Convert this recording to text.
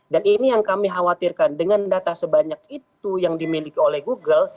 dan ini yang kami khawatirkan dengan data sebanyak itu yang dimiliki oleh google